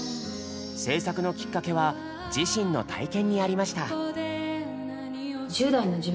制作のきっかけは自身の体験にありました。